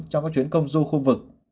trong các chuyến công du khu vực